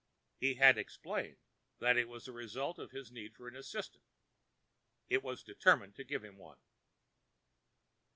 He had explained that it was the result of his need of an assistant. It was determined to give him one.